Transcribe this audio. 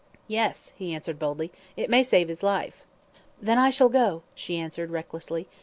"Yes," he answered, boldly, "it may save his life." "Then I shall go," she answered, recklessly.